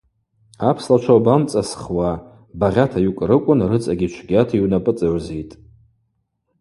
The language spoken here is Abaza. Апслачва уабамцӏасхуа, багъьата йукӏрыквын рыцӏагьи чвгьата йунапӏыцӏыгӏвзитӏ.